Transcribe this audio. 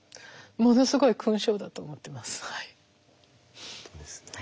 ものすごい勲章だと思ってます。